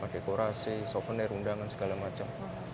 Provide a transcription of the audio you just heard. dekorasi souvenir undangan segala macam